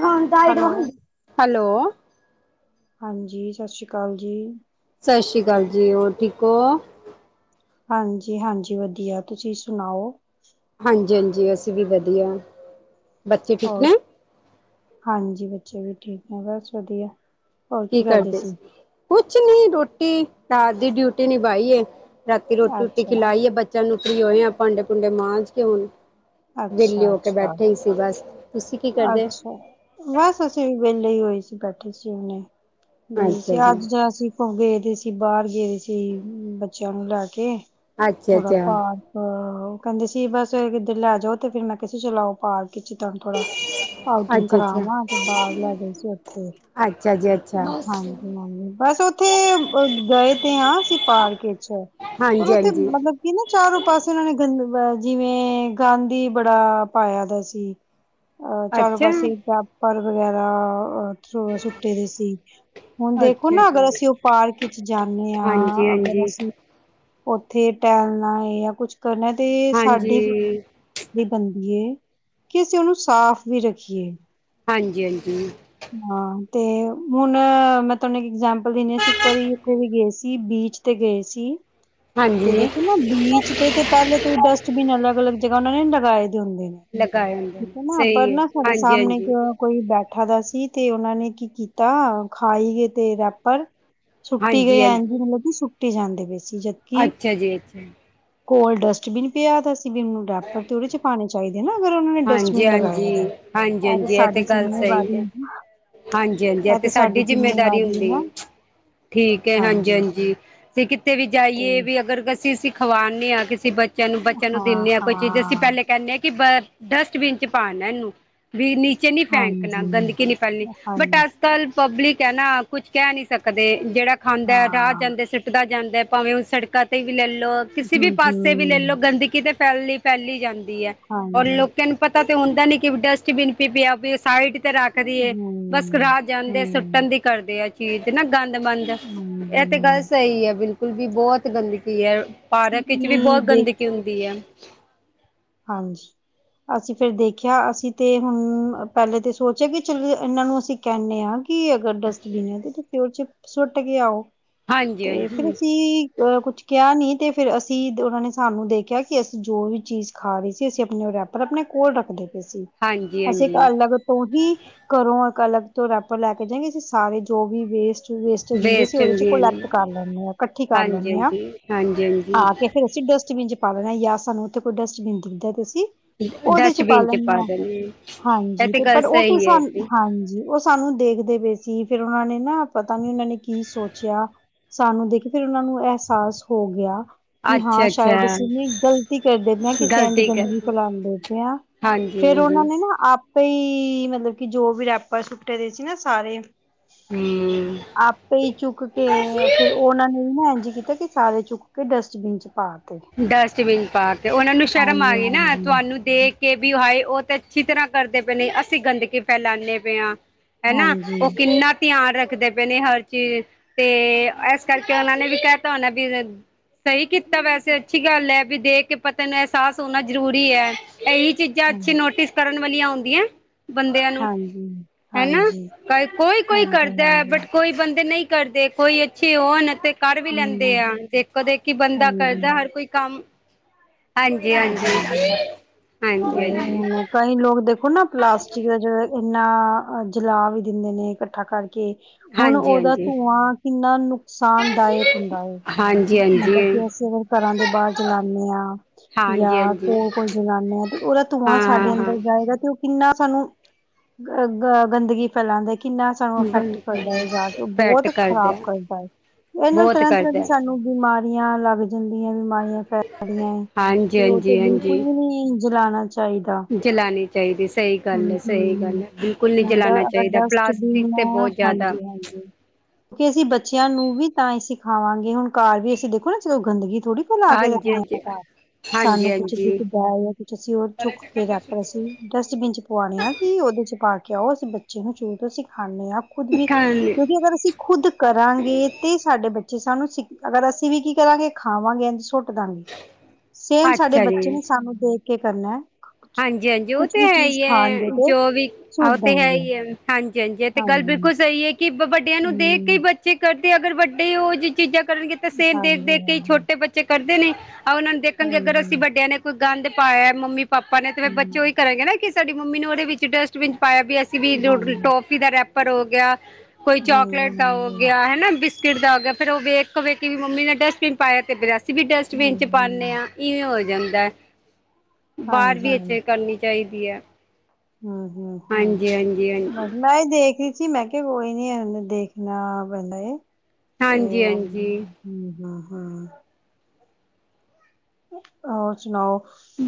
ਹਾਂ guide hello ਵਾਂਗ hello ਹਾਂਜੀ ਸਤਿ ਸ਼੍ਰੀ ਅਕਾਲ ਜੀ। ਸਤਿ ਸ਼੍ਰੀ ਅਕਾਲ ਜੀ ਹੋਰ ਠੀਕ ਹੋ ਹਾਂਜੀ, ਹਾਂਜੀ ਵਧੀਆ ਤੁਸੀਂ ਸੁਣਾਓ ਹਾਂਜੀ ਹਾਂਜੀ ਅਸੀਂ ਵੀ ਵਧੀਆ ਬੱਚੇ ਠੀਕ ਹੋਰ ਨੇ ਹਾਂਜੀ, ਬੱਚੇ ਵੀ ਠੀਕ ਨੇ ਬਸ ਵਧੀਆ। ਕੀ ਕਰਦੇ ਸੀ? ਕੁਛ ਨੀ ਰੋਟੀ ਰਾਤ ਦੀ ਡਿਊਟੀ ਨਿਭਾਈ ਏ। ਰਾਤੀ ਰੋਟੀ ਰੂਟੀ ਅੱਛਾ ਖਿਲਾਈ ਏ ਬੱਚਿਆਂ ਨੂੰ ਹੁਣ ਫਰੀ ਹੋਏ ਆ ਭਾਂਡੇ ਭੂੰਡੇ ਮਾਂਜ ਕੇ ਹੁਣ। ਵਿਹਲੇ ਅੱਛਾ ਹੋ ਕੇ ਅੱਛਾ ਬੈਠੇ ਹੀ ਸੀ ਬਸ। ਤੁਸੀਂ ਕੀ ਕਰਦੇ? ਅੱਛਾ ਬਸ ਅਸੀਂ ਵਿਹਲੇ ਹੀ ਹੋਏ ਸੀ ਬੈਠੇ ਸੀ ਹੁਣੇ ਜੀ ਸੀ ਅੱਜ ਜੋ ਅਸੀਂ ਉਹ ਗਏਦੇ ਸੀ ਬਾਹਰ ਗਏਦੇ ਸੀ ਬੱਚਿਆਂ ਨੂੰ ਲੈ ਕੇ ਥੋੜਾ ਅੱਛਾ-ਅੱਛਾ, ਭਾਰ ਆਹ ਕਹਿੰਦੇ ਸੀ ਬਸ ਕਿੱਧਰ ਲੈ ਜਾਓ ਤੇ ਫਿਰ ਮੈਂ ਕਿਸ ਚਲਾਓ ਪਾਰਕ ਚ ਤੁਹਾਨੂੰ ਥੋੜਾ ਆਊਟਿੰਗ ਅੱਛਾ-ਅੱਛਾ, ਅੱਛਾ ਕਰਾਵਾਂ ਅੱਛਾ, ਤੇ ਬਾਹਰ ਲੈ ਗਏ ਸੀ ਉੱਥੇ ਅੱਛਾ ਜੀ ਅੱਛਾ। ਹਾਂਜੀ ਬਸ ਉੱਥੇ ਗਏ ਤੇ ਆਸੀਂ ਪਾਰਕ ਵਿਚ ਪਰ ਉਹ ਤੇੇ ਹਾਂਜੀ-ਹਾਂਜੀ, ਮਤਲਬ ਇਹ ਨਾ ਚਾਰੋਂ ਪਾਸੇ ਉਹਨਾਂ ਨੇ ਗੰਦ ਜਿਵੇਂ ਗੰਦ ਬੜਾ ਪਾਇਆ ਦਾ ਸੀ ਅ ਚਾਰੋ ਅੱਛਾ, ਪਾਸੇ ਰੈਪਰ ਵਗੈਰਾ ਸੁੱਟੇ ਦੇ ਸੀ ਹੁਣ ਦੇਖੋ ਅੱਛਾ ਨਾ ਅਗਰ ਜੀ, ਅਸੀਂ ਉਹ ਪਾਰਕ ਚ ਜਾਂਦੇ ਆ ਅਗਰ ਹਾਂਜੀ-ਹਾਂਜੀ। ਅਸੀਂ ਉੱਥੇ ਟਹਿਲਣਾ ਏ ਜਾਂ ਕੁਛ ਕਰਨਾ ਤੇ ਸਾਡੀ। ਹਾਂਜੀ, ਦੀ ਬਣਦੀ ਏ ਕਿ ਅਸੀਂ ਉਹਨੂੰ ਸਾਫ਼ ਵੀ ਰੱਖੀਏ। ਹਾਂਜੀ, ਹਾਂਜੀ। ਹਾਂ, ਤੇ ਹੁਣ ਮੈਂ ਤੁਹਾਨੂੰ ਇੱਕ ਇਗਜੈਮਪਲ ਦਿੰਨੀ ਆ ਅਸੀਂ ਇੱਕ ਵਾਰੀ ਉੱਥੇ ਵੀ ਗਏ ਸੀ। ਬੀਚ ਤੇ ਗਏ ਸੀ। ਤੇ ਹਾਂਜੀ ਦੇਖੋ ਨਾ ਬੀਚ ਤੇ ਤੇ ਪਹਿਲੇ ਤੋਂ ਡਸਟਬਿਨ ਅਲੱਗ ਅਲੱਗ ਜਗ੍ਹਾ ਉਹਨਾਂ ਨੇ ਲਗਾਏ ਦੇ ਹੁੰਦੇ ਨੇ। ਲਗਾਏ ਹੁੰਦੇ ਠੀਕ ਨੇ। ਨਾ ਪਰ ਸਹੀ ਹੈ ਨਾ ਸਾਡੇ ਹਾਂਜੀ ਸਾਹਮਣੇ ਇਕ। ਹਾਂਜੀ ਕੋਈ ਬੈਠਾ ਦਾ ਸੀ ਤੇ ਉਹਨਾਂ ਨੇ ਕੀ ਕੀਤਾ ਖਾਈ ਗਏ ਤੇ ਰੈਪਰ। ਸੁੱਟੀ ਗਏ ਹਾਂਜੀ ਹਾਂਜੀ ਐਝ ਮਤਲਬ ਕਿ ਸੁੱਟੀ ਜਾਂਦੇ ਪਏ ਸੀ। ਜਦਕਿ ਅੱਛਾ ਜੀ, ਅੱਛਾ। ਕੋਲ ਡਸਟਬਿਨ ਪਿਆ ਦਾ ਸੀ ਬਿਨ ਹੁਣ ਰੈਪਰ ਤੇਉਹਨਾਂ ਨੂੰ ਉਹਦੇ ਚ ਪਾਣੇ ਚਾਹੀਦੇ ਨਾ ਅਗਰ ਉਹਨਾਂ ਨੇ ਡਸ। ਜੀ ਹਾਂ ਜੀ, ਹਾਂਜੀ, ਹਾਂਜੀ, ਹਾਂਜੀ ਇਹ ਤੇ ਗੱਲ ਸਹੀ ਜਿੰਮੇਵਾਰੀ ਆ। ਇਹ ਹਾਂਜੀ ਹਾਂਜੀ ਇਹ ਤੇ ਸਾਡੀ ਜਿੰਮੇਦਾਰੀ ਜਿੰਮੇਵਾਰੀ ਹੈ ਹੁੰਦੀ ਨਾ ਏ। ਠੀਕ ਹੈ, ਹਾਂਜੀ, ਹਾਂਜੀ ਤੇ ਕਿਤੇ ਵੀ ਤੇ ਜਾਈਏ ਵੀ ਅਗਰ ਅਸੀਂ। ਖਵਾਂਦੇ ਹਾਂ ਕਿਸੇ ਬੱਚਿਆਂ ਨੂੰ ਬੱਚਿਆਂ ਨੂੰ ਹਾਂ ਦਿੰਨੇ ਆ ਕੋਈ ਚੀਜ਼ ਅਸੀਂ ਹਾਂ ਪਹਿਲੇ ਕਹਿੰਦੇ ਹਾਂ ਕਿ ਬ। ਡਸਟਬਿਨ ਚ ਪਾਣਾ ਇਹਨੂੰ ਵੀ ਨੀਚੇ ਨਹੀਂ ਫੈਂਕਣਾ ਹਾਂਜੀ ਗੰਦਗੀ ਨਹੀਂ ਫੈਲਣੀ ਬਟ ਅ। ਹਾਂਜੀ ਅੱਜ ਕਲ ਪਬਲਿਕ ਹੈ ਨਾ ਕੁਛ ਕਹਿ ਨੀ ਸਕਦੇ ਜਿਹੜਾ ਖਾਂਦਾ ਰਾਹ ਹਾਂ ਜਾਂਦੇ ਸੀ। ਸੁੱਟਦਾ ਜਾਂਦਾ ਹੈ ਭਾਵੇਂ ਉਹ ਸੜਕਾਂ ਤੇ। ਤੇ ਵੀ ਲੈ ਲੋ ਕਿਸੇ ਵੀ ਹਮ ਪਾਸੇ ਵੀ ਲੈ ਹਮ ਲੋ ਗੰਦਗੀ ਤੇ ਫੈਲੀ ਫੈਲੀ ਜਾਂਦੀ ਏ। ਔਰ ਹਾਂਜੀ ਲੋਕਾਂ ਨੂੰ ਪਤਾ ਤਾਂ ਹੁੰਦਾ ਨੀ ਕਿ ਡਸਟਬਿਨ ਵੀ ਪਿਆ ਵੀ ਸਾਈਡ। ਤੇ ਰੱਖਦੀਏ ਬਸ ਹਮ ਰਾਹ ਜਾਂਦੇ ਹਮ ਸੁੱਟਣ ਦੀ ਕਰਦੇ ਆ। ਚੀਜ਼ ਨਾ ਗੰਦ ਮੰਦ ਇਹ ਤੇ ਗੱਲ ਹਾਂਜੀ ਸਹੀ ਏ ਬਿਲਕੁਲ ਵੀ ਬਹੁਤ ਗੰਦਗੀ ਏ। ਪਾਰਕ ਵਿੱਚ ਵੀ ਬਹੁਤ ਗੰਦਗੀ ਹੁੰਦੀ ਏ। ਹਾਂਜੀ। ਅਸੀਂ ਫਿਰ ਦੇਖਿਆ ਅਸੀਂ ਤੇ ਹੁਣ ਪਹਿਲੇ ਤੇ ਸੋਚਿਆ ਕਿ ਚੱਲ ਇਹਨਾਂ ਨੂੰ ਅਸੀਂ ਕਹਿੰਦੇ ਆ। ਕੀ ਅਗਰ ਡਸਟਬਿਨ ਹੈ ਤੇ ਫਿਰ ਉਹ ਚ ਸੁੱਟ ਕੇ ਆਓ ਹਾਂਜੀ ਤੇ ਫੇਰ ਹਾਂਜੀ ਅਸੀਂ। ਅ ਕੁਛ ਕਿਹਾ ਨੀ ਤੇ ਫੇਰ ਅਸੀਂ ਉਹਨਾਂ ਨੇ ਸਾਨੂੰ ਦੇਖਿਆ ਕਿ ਅਸੀਂ ਜੋ ਵੀ ਚੀਜ਼। ਖਾ ਰਹੀ ਸੀ। ਅਸੀਂ ਆਪਣੇ ਉਹ ਰੈਪਰ ਆਪਣੇ ਕੋਲ ਰੱਖਦੇ ਪਏ ਸੀ। ਹਾਂਜੀ ਅਸੀਂ ਇੱਕ ਹਾਂਜੀ ਅਲੱਗ। ਤੋਂ ਹੀ ਘਰੋ ਇੱਕ ਅਲੱਗ ਤੋਂ ਰੈਪਰ ਲੈ ਕੇ ਜਾਏਗੇ ਅਸੀਂ ਸਾਰੇ ਜੋ ਵੀ ਵੇਸਟ। ਵੇਸਟੇਜ ਹੁੰਦੀ ਸੀ ਵੇਸਟ ਉਹਦੇ ਚ ਹੁੰਦੀਆਂ ਨੇ ਕਲੈਕਟ ਕਰ ਲੈਨੇ ਆ ਇਕੱਠੀ ਕਰ ਹਾਂਜੀ ਲੈਨੇ ਆ ਹਾਂਜੀ ਹਾਂਜੀ ਆ ਕੇ। ਹਾਂਜੀ ਫਿਰ ਅਸੀਂ ਡਸਟਬਿਨ ਚ ਪਾ ਲੈਣਾ ਜਾਂ ਸਾਨੂੰ ਉੱਥੇ ਕੋਈ ਡਸਟਬਿਨ ਦਿੱਤਾ ਤੁਸੀਂ। ਉਹਦੇ ਚ ਪਾ ਲੈਨੇ ਆ ਇਹ ਹਾਂਜੀ ਤੇ ਗੱਲ ਪਰ ਸਹੀ ਉਹੀ ਹੈ ਜੀ। ਸਾਨੂੰ ਹਾਂਜੀ ਉਸ। ਸਾਨੂੰ ਦੇਖਦੇ ਪਏ ਸੀ ਫੇਰ ਉਹਨਾਂ ਨੇ ਨਾ ਪਤਾ ਨੀ ਉਹਨਾਂ ਨੇ ਕੀ ਸੋਚਿਆ। ਸਾਨੂੰ ਦੇਖਦੇ ਹੀ ਉਹਨਾਂ ਨੂੰ ਅਹਿਸਾਸ ਹੋ ਗਿਆ। ਕਿ ਹਾਂ, ਅੱਛਾ ਸ਼ਾਇਦ ਅੱਛਾ ਅਸੀਂ ਵੀ ਗਲਤੀ ਕਰ ਦੇਨੇ ਆ। ਗਲਤੀ ਕਰ ਗੰਦਗੀ ਫੈਲਾਨ ਦੇਦੇ ਆ ਹਾਂਜੀ ਫੇਰ ਹਾਂਜੀ ਉਹਨਾਂ ਨੇ ਨਾ ਆਪਾਂ ਹੀ ਮਤਲਬ ਕਿ ਜੋ ਵੀ ਆਪਾਂ ਸੁੱਟੇ ਦੇ ਸੀ ਨਾ ਸਾਰੇ [unintelligible] ਹਮ ਅਪ ਕਈ ਚੁੱਕ ਕੇ ਫੇਰ ਉਹਨਾਂ ਨੇ ਨਾ ਇੰਝ ਕੀਤਾ ਕਿ ਸਾਰੇ ਚੁੱਕ ਕੇ ਡਸਟਬਿਨ ਚ ਪਾ ਤੇ ਡਸਟਬਿਨ ਪਾ ਕੇ ਉਹਨਾ ਨੂੰ ਸ਼ਰਮ ਆ ਗਈ ਨਾ ਹਾਂਜੀ ਤੁਹਾਨੂੰ ਦੇਖ। ਕੇ ਵੀ ਹਾਏ ਉਹ ਤਾਂ ਅੱਛੀ ਤਰ੍ਹਾਂ ਕਰਦੇ ਪਏ ਨੇ ਅਸੀਂ ਗੰਦਗੀ ਫੈਲਾਉਂਦੇ ਪਏ ਆ। ਹੈ ਨਾ ਹਾਂਜੀ ਉਹ ਕਿੰਨਾ। ਧਿਆਨ ਰੱਖਦੇ ਪਏ ਨੇ ਹਰ ਚੀਜ਼ ਤੇ ਇਸ ਕਰਕੇ ਉਹਨਾਂ ਨੇ ਵੀ ਕਹਿ ਦਿਤਾ ਹੋਣਾ ਵੀ। ਸਹੀ ਕੀਤਾ ਵੈਸੇ। ਠੀਕ ਹੈ ਲੈ ਵੀ ਦੇਖ ਕੇ ਬੰਦੇ ਨੂੰ ਅਹਿਸਾਸ ਹੋਣਾ ਜਰੂਰੀ ਏ ਇਹੀ ਹਾਂਜੀ ਚੀਜ਼ਾਂ ਹਾਂ ਅੱਛੀ ਨੋਟਿਸ। ਕਰਨ ਵਾਲੀਆਂ ਹੁੰਦੀਆਂ। ਬੰਦਿਆਂ ਨੂੰ ਹਾਂਜੀ ਹੈ ਨਾ ਹਾਂਜੀ ਕੁਲ ਕੋਈ ਕੋਈ ਹਾਂਜੀ ਕਰਦਾ ਹਾਂਜੀ ਬਟ ਕੋਈ ਬੰਦੇ ਨਹੀਂ। ਘਰ ਦੇ ਕੋਈ ਅੱਛੇ ਹੋਣ ਤੇ ਕਰ ਵੀ ਲੈਂਦੇ ਹਮ ਆ ਦੇਖੋ ਦੇਖੀ ਬੰਦਾ ਹਾਂਜੀ ਕਰਦਾ ਹਰ। ਕੋਈ ਕੰਮ ਹਾਂਜੀ, ਹਾਂਜੀ, ਤੇ ਹਾਂਜੀ, ਹਾਂਜੀ। ਹੁਣ ਕਈ ਲੋਗ ਦੇਖੋ ਨਾ ਪਲਾਸਟਿਕ ਦਾ ਜਿਹੜੇ ਇੰਨਾ ਜਲਾ ਵੀ ਦਿੰਦੇ ਨੇ ਕੱਠਾ ਕਰਕੇ ਹਾਂਜੀ ਹੁਣ ਹਾਂਜੀ ਹਾਂਜੀ ਉਹਦਾ ਹਾਂਜੀ ਧੂੰਆਂ ਕਿੰਨਾ ਨੁਕਸਾਨਦਾਇਕ ਹੁੰਦਾ ਏ ਹਾਂਜੀ ਮਤਲਬ ਕਿ ਅਸੀਂ ਅਗਰ ਘਰਾਂ ਦੇ ਬਾਹਰ ਜਲਾਨੇ ਆ ਹਾਂਜੀ ਯਾ ਹਾਂਜੀ ਕੋਲ ਕੋਲ ਜਲਾਨੇ ਆ ਤੇ ਉਹਦਾ ਧੂੰਆਂ ਸਾਡੇ ਹਾਂ ਹਾਂ ਅੰਦਰ ਜਾਏਗਾ ਤੇ ਉਹ ਕਿੰਨਾ ਸਾਨੂੰ ਗ ਗ ਗੰਦਗੀ ਫੈਲਾਂਦਾ ਕਿੰਨਾ ਸਾਨੂੰ ਹਾਂ ਇਫੈਕਟ ਕਰਦਾ ਏ ਜਾ ਕੇ ਉਹ ਪੈਟ ਬਹੁਤ ਖ਼ਰਾਬ ਕਰਦਾ ਕਰਦਾ ਏ ਇਹ ਨਾਲ ਬਹੁਤ ਤਰ੍ਹਾਂ ਤਰ੍ਹਾਂ ਦੀ ਕਰਦਾ ਸਾਨੂੰ ਬਿਮਾਰੀਆਂ ਲੱਗ ਜਾਂਦੀਆਂ ਬਿਮਾਰੀਆਂ ਫੈਲਦੀਆਂ ਹਾਂਜੀ ਤੇ ਉਹ ਤੇ ਹਾਂਜੀ ਬਿਲਕੁਲ ਹਾਂਜੀ ਵੀ ਨੀ ਜਲਾਣਾ ਚ [unintelligible] ਚਾਹੀਦਾ [unintelligible] ਜਲਾਉਣੀ ਚਾਹੀਦੀ ਸਹੀ ਗੱਲ ਹਮ ਹੈ ਸਹੀ ਗੱਲ ਹਮ ਹੈ ਬਿਲਕੁਲ ਨਹੀਂ ਹੁੰਦਾ ਜਲਾਉਣਾ ਅਗਰ ਚਾਹੀਦਾ ਡਸਟਬੀਨ ਪਲਾਸਟਿਕ ਤੇ ਨਾ ਬਹੁਤ ਜ਼ਿਆਦਾ ਹਾਂਜੀ ਹਾਂਜੀ ਕਿ ਅਸੀਂ ਬੱਚਿਆਂ ਨੂੰ ਵੀ ਤਾਂ ਹੀ ਸਿਖਾਵਾਂਗੇ ਹੁਣ ਘਰ ਵੀ ਅਸੀਂ ਦੇਖੋ ਨਾ ਚਲੋ ਗੰਦਗੀ ਥੋੜ੍ਹੀ ਫੈਲਾ ਕੇ ਹਾਂਜੀ ਰੱਖਣੀ ਆ ਹਾਂਜੀ ਘਰ। [unintelligible] ਸਾਨੂੰ ਕੁਛ ਹਾਂਜੀ ਦਿਖਦਾ ਜਾਂ ਕੁਛ ਅਸੀਂ ਉਹ ਚੁੱਕ ਕੇ ਰੱਖ ਰਹੇ ਸੀ ਡਸਟਬਿਨ ਚ ਪਵਾਣੇ ਆ ਕਿ ਉਹਦੇ ਚ ਪਾ ਕੇ ਆਓ ਅਸੀਂ ਬੱਚੇ ਨੂੰ ਸ਼ੁਰੂ ਤੋਂ ਸਿਖਾਨੇ ਆ ਖੁਦ ਵੀ ਖਾਣ ਕਿਉਂਕਿ ਅਗਰ ਅਸੀਂ ਖੁਦ ਕਰਾਂਗੇ ਤੇ ਸਾਡੇ ਬੱਚੇ ਸਾਨੂੰ ਸਿੱਖ ਅਗਰ ਅਸੀਂ ਵੀ ਕੀ ਕਰਾਂਗੇ ਖਾਵਾਂਗੇ ਸੁੱਟ ਦਾਂਗੇ ਸੇਮ ਸਾਡੇ ਅੱਛਾ ਬੱਚੇ ਜੀ ਨੇ ਸਾਨੂੰ ਦੇਖ ਕੇ ਕਰਨਾ ਕੁਛ ਹਾਂਜੀ ਹਾਂਜੀ ਉਹ ਕੁਛ ਤੇ ਵੀ ਹੈ ਚੀਜ਼ ਈ ਹੈ ਖਾਣਗੇ ਤੇ ਜੋ ਵੀ ਉਹ ਸੁੱਟ ਤੇ ਹੈ ਦੇਣਗੇ। ਈ ਹੈ ਹਾਂਜੀ ਹਾਂਜੀ ਇਹ ਤੇ ਗੱਲ ਬਿਲਕੁਲ ਸਹੀ ਹੈ ਕਿ ਵੱਡਿਆਂ ਨੂੰ ਦੇਖ ਹੂੰ, ਕਈ ਬੱਚੇ ਕਰਦੇ ਅਗਰ ਵੱਡੇ ਉਹ ਜਿਹੀ ਚੀਜ਼ਾਂ ਕਰਨਗੇ ਤੇ ਫੇਰ ਦੇਖ ਹਾਂਜੀ, ਦੇਖ ਕੇ ਕਈ ਹਾਂਜੀ, ਛੋਟੇ ਬੱਚੇ ਤੇ ਕਰਦੇ ਨੇ ਆ ਉਹਨਾਂ ਨੂੰ ਦੇਖਨਗੇ ਅਗਰ ਹਾਂਜੀ, ਅਸੀਂ ਹੂੰ, ਵੱਡਿਆਂ ਨੇ ਕੋਈ ਗੰਦ ਪਾਇਆ ਮੰਮੀ ਪਾਣੇ ਤੇ ਫਿਰ ਬੱਚੇ ਉਹੀ ਕਰਨਗੇ ਬੱਚੇ ਹਾਂਜੀ, ਉਹੀ ਕਰਨਗੇ ਨਾ ਕਿ ਸਾਡੀ ਮੰਮੀ ਨੂੰ ਉਹਦੇ ਵਿੱਚ ਡਸਟਬਿਨ ਚ ਪਾਇਆ ਵੀ ਅਸੀਂ ਵੀ ਹਾਂਜੀ, ਹਾਂਜੀ, ਟੋਪ ਦਾ ਰੈਪਰ ਹੋ ਗਿਆ ਕੋਈ ਹਾਂਜੀ, ਚਾਕਲੇਟ ਦਾ ਹੋ ਹਾਂਜੀ। ਗਿਆ ਹੈਨਾ ਬਿਸਕੁ ਬਿਸਕਿਟ ਦਾ ਹੋ ਗਿਆ ਫਿਰ ਉਹ ਵੇਖੋ ਵੇਖੀ ਵੀ ਮੰਮੀ ਨੇ ਡਸਟਬਿਨ ਚ ਪਾਇਆ ਤੇ ਫਿਰ ਅਸੀਂ ਵੀ ਡਸਟਬਿਨ 'ਚ ਹਾਂਜੀ, ਪਾਨੇ ਆ ਇਵੇ ਹੋ ਜਾਂਦਾ ਬਾਹਰ ਵੀ ਹਾਂਜੀ, ਇੱਜਤ ਕਰਨੀ ਚਾਹੀਦੀ ਹੈ [unintelligible] ਹ ਹ ਹਾਂਜੀ ਹਾਂਜੀ ਹਾਂਜੀ ਮੈਂ ਦੇਖ ਰਹੀ ਸੀ ਮੈਂ ਕਿਹਾ ਕੋਈ ਨੀ ਇਹਨੂੰ ਦੇਖਨਾ ਪੈਂਦਾ ਏ ਤੇ ਹਾਂਜੀ ਉਹ ਹਾਂਜੀ ਹ ਹਾ ਹਾ ਹੋਰ ਸੁਣਾਓ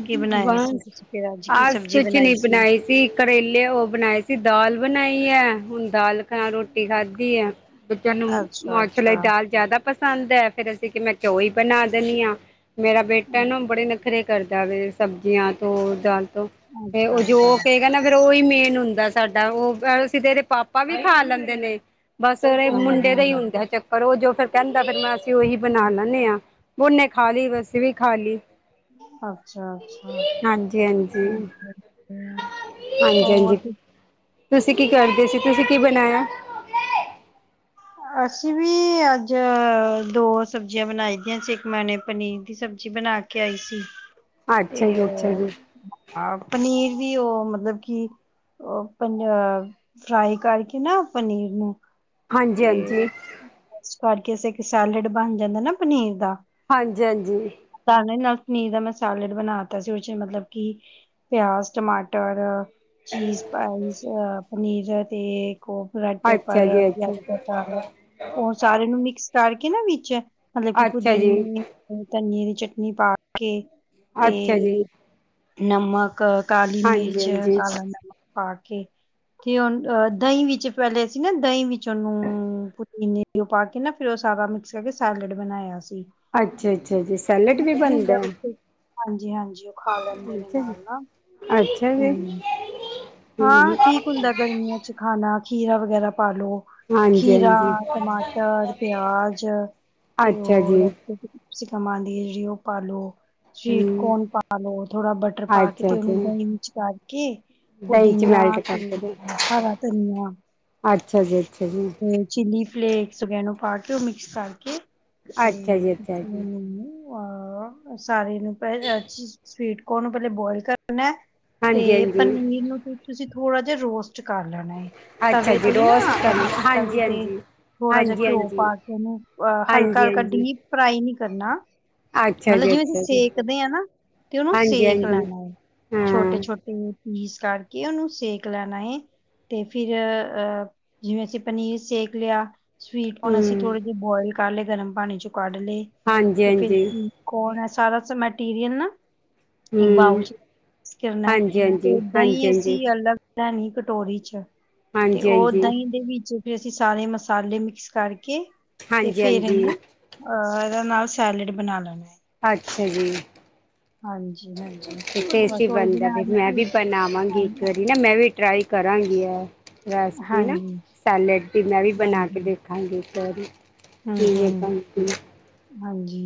ਕੀ ਬਨਾਇਆ ਸੀ ਬਸ ਤੁਸੀਂ ਫਿਰ ਅੱਜ ਕੀ ਆਜ ਸਬਜ਼ੀ ਕੁਛ ਨੀ ਬਨਾਈ ਸੀ ਬਣਾਈ ਕਰੇਲੇ ਉਹ ਬਨਾਏ ਸੀ ਦਾਲ ਬਨਾਈ ਹੈ ਹੁਨ ਦਾਲ ਮੈ‌ ਰੋਟੀ ਖਾਦੀ ਆ ਬੱਚਿਆਂ ਨੂੰ ਅੱਛਾ, ਮਾਂ ਛੋਲਿਆਂ ਅੱਛਾ। ਦੀ ਦਾਲ ਜਿਆਦਾ ਪਸੰਦ ਹੈ ਫਿਰ ਅਸੀਂ ਕਿ ਮੈਂ ਕਿਆ ੳਹੀ ਬਨਾ ਦੇਨੀਂ ਆ ਮੇਰਾ ਬੇਟਾ ਏਨਾ ਅ- ੳਨੂੰ ਬੜੇ ਨਖ ਕਰਦਾ ਵੇ ਸਬਜ਼ੀਆਂ ਤੋਂ ਦਾਲ ਤੋਂ ਤੇ ਅੱਛਾ, ਉਹ ਜੋ ਅੱਛਾ, ਕਹੇਗਾ ਨਾ ਫੇਰ ਉਹੀ ਮੇਨ ਹੁੰਦਾ ਸਾਡਾ ਉਹ ਵੈਸੇ ਤੇ ਇਦੇ ਪਾਪਾ ਵੀ ਖਾ ਲੈਂਦੇ ਨੇ। ਬਸ ਸਵੇਰੇ ਉਹ ਹੂੰ, ਮੁੰਡੇ ਦਾ ਹੀ ਹੂੰ, ਹੁੰਦਾ ਚੱਕਰ ਉਹ ਜੋ ਫੇਰ ਕਹਿੰਦਾ ਫਿਰ ਮੈਂ ਅਸੀਂ ਓਹੀ ਬਨਾ ਲੈਨੇ ਆ। ਓਨੇ ਖਾ ਲੀ, ਅਸੀਂ ਵ ਅਸੀ ਵੀ ਖਾ ਲੀ। ਆੱਛਾ-ਆੱਛਾ। ਹਾਂਜੀ ਹਾਂਜੀ ਹੂੰ, ਹਾਂਜੀ ਹਾਂਜੀ ਹੋਰ ਤੁਸੀਂ ਕੀ ਕਰਦੇ ਸੀ ਤੁਸੀਂ ਕੀ ਬਨਾਇਆ? ਅਸੀਂ ਵੀ ਅੱਜ ਦੋ ਸਬਜ਼ੀਆਂ ਬਨਾਈ ਦੀਆਂ ਸੀ ਇੱਕ ਮੈਂਨੇ ਪਨੀਰ ਦੀ ਸਬਜ਼ੀ ਬਨਾ ਕੇ ਆਈ ਸੀ ਅੱਛਾ ਤੇ ਜੀ ਅੱਛਾ ਓਹ ਜੀ ਹਾਂ, ਪਨੀਰ ਦੀ ਉਹ ਮਤਲਬ ਕੀ ਉਹ ਪਨ ਫਰਾਈ ਕਰਕੇ ਨਾ ਪਨੀਰ ਨੂੰ ਹਾਂਜੀ ਤੇ ਹਾਂਜੀ ਇਸ ਕਰਕੇ ਇਕ ਇੱਕ ਸੈਲਡ ਬਣ ਜਾਂਦਾ ਨਾ ਪਨੀਰ ਦਾ ਹਾਂਜੀ-ਹਾਂਜੀ ਤਾਂ ਨਾਲ ਪਨੀਰ ਦਾ ਮੈਂ ਸੈਲਡ ਬਨਾ ਤਾਂ ਸੀ, ਉਹ ਚ ਮਤਲਬ ਕਿ ਪਿਆਜ, ਟਮਾਟਰ, ਚੀਜ਼ ਪਾਈਸ, ਪਨੀਰ ਤੇ ਅੱਛਾ ਜੀ ਅੱਛਾ [unintelligible] ਓ ਸਾਰੇ ਨੂੰ ਮਿਕਸ ਕਰਕੇ ਨਾ ਵਿੱਚ, ਮਤਲਬ ਕਿ ਅੱਛਾ ਜੀ ਪੂਦੀਨੇ ਧਨੀਏ ਦੀ ਚਟਨੀ ਪਾ ਕੇ ਤੇ, ਅੱਛਾ ਜੀ ਨਮਕ ਕ ਕਾਲੀ ਹਾਂਜੀ ਮਿਰਚ, ਹਾਂਜੀ ਕਾਲਾ ਨਮਕ ਪਾ ਕੇ, ਕੇ ਓਨ ਅ ਦਹੀਂ ਵਿੱਚ ਪੈਲੇ ਅਸੀ ਨਾ ਦਈ ਵਿੱਚ ਤੇ ਓਨੂੰ, ਪੁਦੀਨੇ ਦੀ ਓ ਪਾਕੇ ਨਾ ਫਿਰ ਓ ਸਾਰਾ ਮਿਕਸ ਕਰਕੇ ਸੈਲਡ ਬਨਾਏਆ ਸੀ ਅੱਛਾ, ਅੱਛਾ ਜੀ‌। ਸੈਲਟ ਵੀ ਵਧੀਆ ਹੁੰਦਾ ਬਨਦੈ? ਬੱਚੇ ਹਾਂਜੀ, ਹਾਂਜੀ, ਓ ਖਾ ਲੈਂਦੇ ਨੇ ਅੱਛਾ ਜੀ ਨਾਲ, ਨਾਲ ਅੱਛਾ ਜੀ ਹੂੰ। ਹਮ ਹਾਂ, ਠੀਕ ਹੁੰਦੈ ਗਰਮੀਆਂ ਚ ਖਾਨਾ ਖੀਰਾ ਵਗੈਰਾ ਪਾ ਲੋ। ਹਾਂਜੀ ਖੀਰਾ, ਹਾਂਜੀ ਟਮਾਟਰ, ਪੇਆਜ ਤੇ ਅੱਛਾ ਜੀ ਹੋਰ ਤੁਸੀਂ [unintelligible] ਪਾਲੋ। ਸਿਵੀਟ ਹਮ ਕੋਨ ਪਾ ਲੋ, ਥੋੜਾ ਬਟਰ ਪਾ ਕੇ ਅੱਛਾ ਤੇ ਜੀ ਓਨੂੰ ਦਹੀਂ ਵਿੱਚ ਕਾਰਕੇ ਦਹੀਂ ਚ ਪੁਦੀਨਾ ਮੈਲਟ ਤੇ ਕਰਕੇ ਦੇ। ਅ ਹਰਾ ਧਨੀਆ, ਅੱਛਾ ਜੀ ਅੱਛਾ ਜੀ ਤੇ ਚਿਲੀ ਫਲੇਕਸ [unintelligible] ਪਾ ਕੇ ਓ ਮਿਕਸ ਕਰਕੇ ਤੇ ਅੱਛਾ ਜੀ ਅੱਛਾ ਜੀ ਅ ਸਾਰੇ ਨੂੰ ਪੈਲ ਹਰ ਚੀਜ, ਸਵੀਟਕਨ ਨੂੰ ਪੈਲੇ ਬੋਏਲ ਕਰਨੈ। ਤੇ ਹਾਂਜੀ ਹਾਂਜੀ ਪਨੀਰ ਨ ਨੂੰ ਤੁਸੀਂ ਥੋੜਾ ਜਾ ਰੋਸਟ ਕਰ ਲੈਣੈ ਏ ਅੱਛਾ ਤਵੇ ਜੀ ਤੇ ਈ ਨਾ, ਰੋਸਟ ਕਰਨਾ ਮਤਲਬ ਕਿਤਾ ਤਵੇ ਹਾਂਜੀ ਤੇ। ਹਾਂਜੀ ਥੋੜਾ ਜਾ ਹਾਂਜੀ ਘੇਓ ਹਾਂਜੀ ਪਾ ਕੇ ਓਨੂੰ ਅ ਹਲਕਾ, ਹਾਂਜੀ ਹਲਕਾ ਹਾਂਜੀ ਡੀਪ ਫ੍ਰਾਈ ਨੀ ਕਰਨਾ ਅੱਛਾ ਮਤਲਬ ਜੀ ਜਿਵੇਂ ਅਸੀਂ ਅੱਛਾ ਜੀ ਸੇਕਦੇ ਆ ਨਾ ਤੇ ਓਨੂੰ ਹਾਂਜੀ ਸੇਕ ਹਾਂਜੀ ਲੈਨਾ ਏ ਛੋਟੇ, ਹਾਂ ਛੋਟੇ ਪੀਸ ਕਾਰਕੇ। ਕੇ ਓਨੂੰ ਸੇਕ ਲੈਨਾ ਏ। ਤੇ ਫਿਰ ਅ, ਜਿਵੇਂ ਅਸੀਂ ਪਨੀਰ ਸੇਕ ਲੇਆ। ਸਿਵੀਟ ਕੋਨ ਅਸੀਂ ਹਮ ਥੋੜੇ ਜੇ ਬੋਏਲ ਕਰ ਲਏ, ਗਰਮ ਪਾਣੀ ਚੋਂ ਕੱਡ ਲਏ ਹਾਂਜੀ ਤੇ ਫਿਰ ਹਾਂਜੀ ਕੋਨ ਐ ਸਾਰਾ ਸ ਮੈਟੀਰੀਅਲ ਨਾ ਇੱਕ ਬਾਓਲ ਹਮ ਚ [unintelligible] ਤੂਸੀ ਕੀ ਕਰਨੈ ਹਾਂਜੀ ਹਾਂਜੀ ਹਾਂਜੀ ਹਾਂਜੀ ਅਲਗ ਲੈਨੀ ਆ ਕਟੋਰੀ ਚ, ਤੇ ਹਾਂਜੀ ਓ ਓਦਾ ਹਾਂਜੀ ਦਹੀਂ ਦੇ ਵਿੱਚ ਫਿਰ ਅਸੀਂ ਸਾਰੇ ਮਸਾਲੇ ਮਿਕਸ ਕਾਰਕੇ, ਤੇ ਹਾਂਜੀ ਫੇਰ ਹਾਂਜੀ ਏਨੂੰ ਅ, ਐਦਾ ਨਾਲ ਸੈਲਡ ਬਨਾ ਲੈਨੈ ਆ। ਆੱਛਾ ਜੀ, ਹਾਂਜੀ, ਹਾਂਜੀ ਟੇਸਟੀ ਬਸ ਉਹੀ ਬਨਦੈ ਬਣਾ ਵੀ ਰਹੀ ਮੈਂ ਸੀ ਵੀ ਬਨਾਵਾਂਗੀ ਹਾਂ ਇੱਕ ਵਰੀ ਨਾ ਮੈਂ ਵੀ ਟ੍ਰਾਈ ਕਰਾਂਗੀ ਐ, ਰੈਸਪੀ ਨਾ ਹਾਂਜੀ, ਸੈਲਡ ਦੀ ਮੈਂ ਵੀ ਬਨਾ ਕੇ ਹਾਂਜੀ ਦੇਖੂ [unintelligible] ਹੂੰ, ਹੂੰ ਹਾਂਜੀ।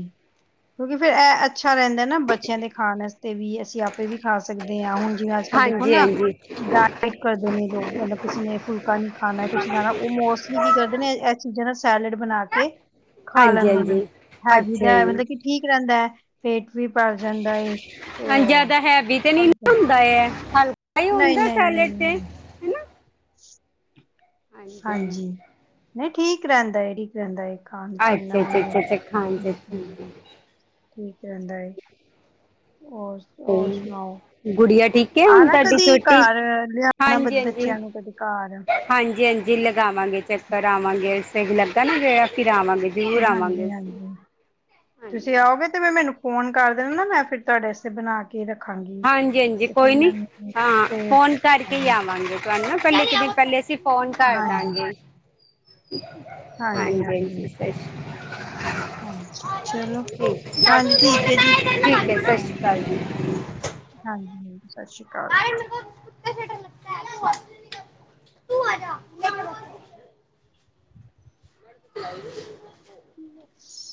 ਕਿਉਂਕਿ ਫਿਰ ਐ ਅੱਛਾ ਰੈਂਦਾ ਨਾ ਬੱਚੇਆਂ ਦੇ ਖਾਨ ਵਾਸਤੇ ਵੀ, ਅਸੀਂ ਆਪੇ ਵੀ ਖਾ ਸਕਦੇ ਆ ਹੁਨ ਜੀਵੇ ਆੱਜ-ਕੱਲ ਦੇਖੋ ਹਾਂਜੀ ਨਾ ਹਾਂਜੀ ਡਾਏਟ ਕਰਦੇ ਨੇ ਲੋਕ, ਮਤਲਬ ਕਿਸੇ ਨੇ ਫੁਲਕਾ ਨੀ ਖਾਨਾ ਕੁਛ ਨੀ ਖਾਨਾ ਓ ਕੀ ਕਰਦੇ ਨੇ ਐ ਚੀਜਾਂ ਦਾ ਸੈਲਡ ਬਨਾ ਕੇ ਖਾ ਹਾਂਜੀ ਲੈਂਦੇ ਨੇ ਹਾਂਜੀ ਹੈਵੀ ਅੱਛਾ ਦਾ ਐ ਜੀ ਮਤਲਬ ਕਿ ਠੀਕ ਰੈਂਦੈ, ਪੇਟ ਵੀ ਭਰ ਜਾਂਦਾ ਏ ਤੇ ਹਾਂਜੀ ਓ ਜ਼ਿਆਦਾ ਹੈਵੀ ਤੇ [inaudible] ਨਹੀਂ ਹੁੰਦਾ ਨਹੀਂ ਸੈਲਡ ਤੇ ਨਹੀਂ ਹੈਨਾ ਹਾਂਜੀ ਨਹੀਂ ਠੀਕ ਰਹਿੰਦਾ ਰੈਂਦੈ ਏ ਖਾਨ ਚ ਏਨਾ ਹਾਂਜੀ ਓ ਅੱਛਾ ਨੀ ਅੱਛਾ ਹੁੰਦਾ, ਅੱਛਾ ਅੱਛਾ ਹਾਂਜੀ ਹੂੰ, ਹੂੰ ਠੀਕ ਰੈਦਾ ਐ। ਓਰ ਗੁੜੀਆ ਠੀਕ ਠੀਕ ਆ ਹੋਨ ਆਣਾ ਤਾਡੀ ਕਦੀ ਛੋਟੀ? ਘਰ ਲਿਆਣਾ ਬ ਹਾਂਜੀ, ਹਾਂਜੀ। ਬੱਚਿਆਂ ਨੂੰ ਕਦੇ ਘਰ ਹਾਂਜੀ, ਹਾਂਜੀ ਲਗਾਵਾਂਗੇ ਚੱਕਰ ਆਵਾਂਗੇ ਏਸ ਵਾਰ ਲੱਗਾ ਨਾ ਗੇੜਾ [unintelligible] ਹਾਂਜੀ, ਹਾਂਜੀ ਤੁਸੀ ਹਾਂਜੀ ਆਓਗੇ ਤੇ ਮੈਂ ਮੈਨੂੰ ਫੋਨ ਕਰ ਦੇਨਾ ਨਾ ਮੈਂ ਫਿਰ ਤੁਆਡੇੇ ਵਾਸਤੇ ਬਨਾ ਕੇ ਰੱਖਾਂਗੀ। ਹਾਂਜੀ ਹਾਂਜੀ ਤੇ ਫਿਰ ਕੋਈ ਨੀ ਮੈਨੂੰ ਹਾਂ ਟੇਸਟ ਫੋਨ ਕਰਕੇ ਹਾਂਜੀ, ਆਵਾਂਗੇ ਤੁਹਾਨੂੰ ਨਾ ਪਹਿਲੇ ਇੱਕ ਦਿਨ ਪਹਿਲੇ ਅਸੀਂ ਫੋਨ ਕਰ ਦਾਂਗੇ [inaudible] ਹਾਂਜੀ ਹਾਂਜੀ ਹਾਂਜੀ ਚਲੋ ਠੀਕ ਹੈ ਹਾਂਜੀ ਠੀਕ ਹੈ ਜੀ ਸਤਿ ਸ਼੍ਰੀ ਅਕਾਲ ਹਾਂਜੀ ਜੀ ਹਾਂਜੀ ਸਤਿ ਸ੍ਰੀ ਅਕਾਲ ਜੀ ਤੂੰ ਆ [inaudible] ਹਮ